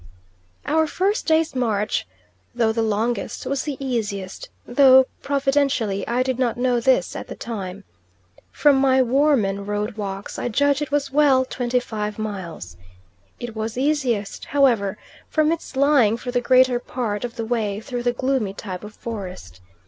Our first day's march, though the longest, was the easiest, though, providentially I did not know this at the time. From my Woermann road walks I judge it was well twenty five miles. It was easiest however, from its lying for the greater part of the way through the gloomy type of forest.